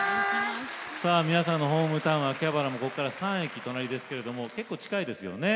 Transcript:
さあ皆さんのホームタウン秋葉原もここから３駅隣ですけれども結構近いですよね。